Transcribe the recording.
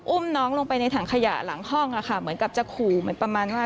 อุ้มน้องลงไปในถังขยะหลังห้องเหมือนกับจะขู่เหมือนประมาณว่า